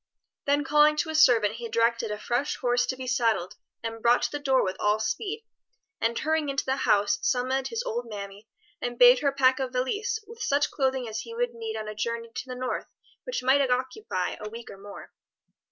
Then calling to a servant he directed a fresh horse to be saddled and brought to the door with all speed, and hurrying into the house, summoned his old mammy and bade her pack a valise with such clothing as he would need on a journey to the North which might occupy a week or more.